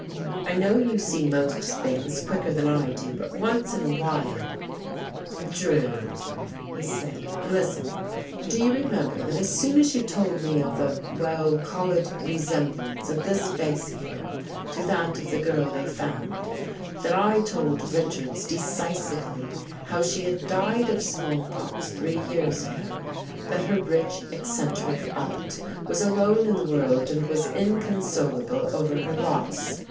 I know you see most things quicker than I do, but once in a while ..."" Drew," he said, " listen. Do you remember that as soon as you told me of the — well, call it resemblance of this face here to that of the girl they found, that I told Richards decisively how she had died of small pox three years ago; that her rich, eccentric aunt was alone in the world and was incon solable over her loss?